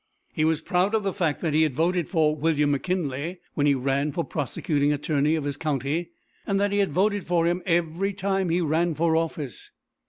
He was proud of the fact that he had voted for William McKinley when he ran for prosecuting attorney of his county, and that he had voted for him every time he ran for office.